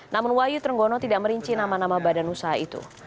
namun wahyu trenggono tidak merinci nama nama badan usaha itu